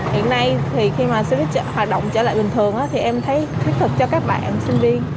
hiện nay thì khi mà xe buýt hoạt động trở lại bình thường thì em thấy thiết thực cho các bạn sinh viên